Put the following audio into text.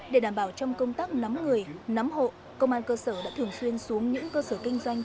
để đảm bảo trong công tác nắm người nắm hộ công an cơ sở đã thường xuyên xuống những cơ sở kinh doanh